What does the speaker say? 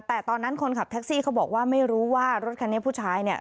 แต่ตอนนั้นคนขับแท็กซี่เขาบอกว่าไม่รู้ว่ารถคันนี้ผู้ชายเนี่ย